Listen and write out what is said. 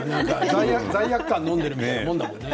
罪悪感飲んでるみたいなもんだもんね。